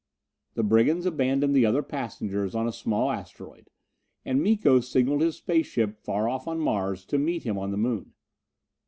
The brigands abandoned the other passengers on a small asteroid, and Miko signaled his space ship far off on Mars to meet him on the Moon.